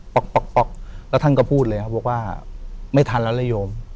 ๊อกแล้วท่านก็พูดเลยครับบอกว่าไม่ทันแล้วระโยม